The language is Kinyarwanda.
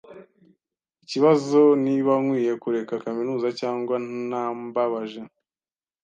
Ikibazo niba nkwiye kureka kaminuza cyangwa ntambabaje.